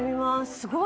すごい。